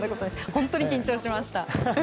本当に緊張しました。